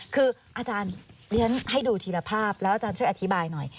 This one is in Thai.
คืออาจารย์เรียนให้ดูทีละภาพแล้วอาจารย์ช่วยอธิบายหน่อย